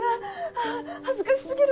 ああ恥ずかしすぎる！